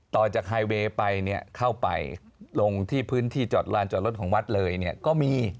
ต่อจากไฮเวย์ไปเข้าไปลงที่พื้นที่จอดรถของวัดเลยก็มี